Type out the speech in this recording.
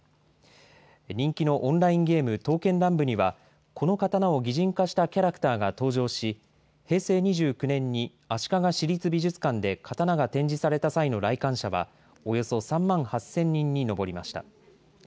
人気のオンラインゲーム、刀剣乱舞には、この刀を擬人化したキャラクターが登場し、平成２９年に足利市立美術館で刀が展示された際の来館者は、およそ３万８０００人に上りました。